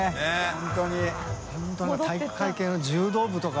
本当に体育会系の柔道部とか。